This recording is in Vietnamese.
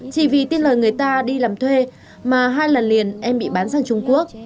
chỉ vì tin lời người ta đi làm thuê mà hai lần liền em bị bán sang trung quốc